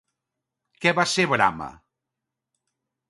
Què va ser Brama?